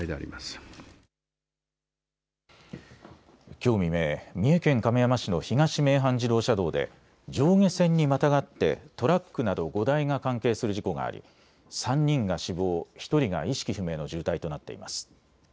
きょう未明、三重県亀山市の東名阪自動車道で上下線にまたがってトラックなど５台が関係する事故があり３人が死亡、１人が意識不明の重体となっています。